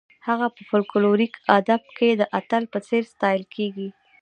هغه په فولکلوریک ادب کې د اتل په څېر ستایل کیږي.